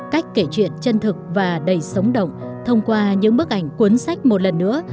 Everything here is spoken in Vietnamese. cách kể chuyện chân thực và đầy sống động thông qua những bức ảnh cuốn sách một lần nữa